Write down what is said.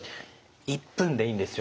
１分でいいんですよね。